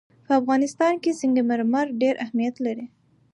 په افغانستان کې سنگ مرمر ډېر اهمیت لري.